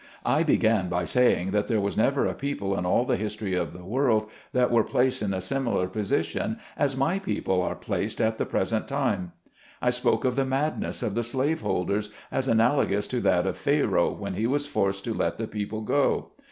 I began by saying, that there was never a people in all the history of the world, that were placed in a similar position as my people are placed at the pres ent time. I spoke of the madness of the slaveholders as analogous to that of Pharoah when he was forced to let the people go.